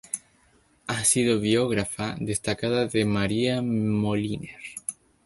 Ha sido biógrafa destacada de María Moliner.